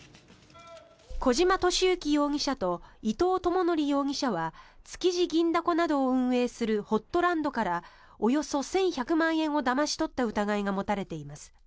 小島敏之容疑者と伊藤智則容疑者は築地銀だこなどを運営するホットランドからおよそ１１００万円をだまし取った疑いが持たれています。